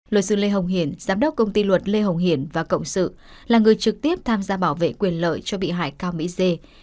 luật sư lê hồng hiền giám đốc công ty luật lê hồng hiển và cộng sự là người trực tiếp tham gia bảo vệ quyền lợi cho bị hại cao mỹ dê